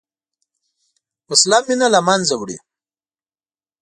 وسله مینه له منځه وړي